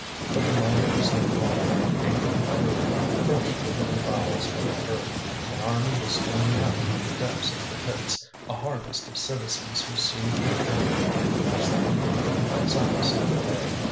But the miner was no longer an ignorant brute, crushed within the bowels of the earth. An army was springing up from the depths of the pits, a harvest of citizens whose seed would germinate and burst through the earth some sunny day.